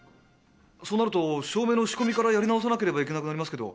そうなると照明の仕込みからやり直さなければいけなくなりますけど。